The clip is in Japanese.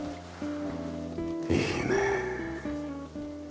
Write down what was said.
いいね。